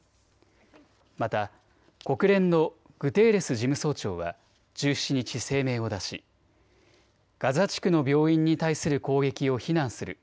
また国連のグテーレス事務総長は１７日、声明を出しガザ地区の病院に対する攻撃を非難する。